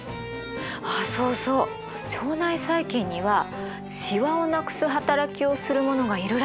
あっそうそう腸内細菌にはシワをなくす働きをするものがいるらしいんですよ。